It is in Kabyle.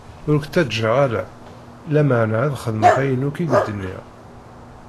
Ur k-ttaǧǧaɣ ara, lameɛna ad xedmeɣ ayen akk i k-d-nniɣ.